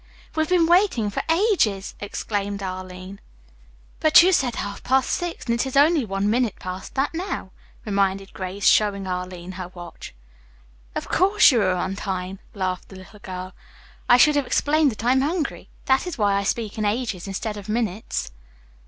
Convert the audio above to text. "We've been waiting for ages!" exclaimed Arline. "But you said half past six, and it is only one minute past that now," reminded Grace, showing Arline her watch. "Of course, you are on time," laughed the little girl. "I should have explained that I'm hungry. That is why I speak in ages instead of minutes."